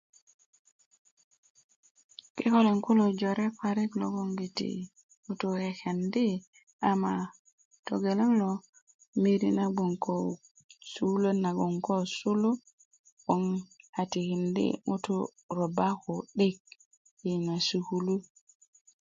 kikolin kulo jore parik logoŋgiti ŋutuu kekendi ama togeleŋ lo miri na gboŋ ko sukuluwöt nagoŋ koo sulu 'boŋ a tikindi' ŋutu' robba ku'dik yi yina sukulu